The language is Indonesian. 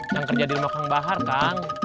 yang kerja di rumah kang bahar kan